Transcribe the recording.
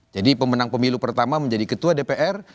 jadi pemenang pemilu pertama menjadi ketua dpr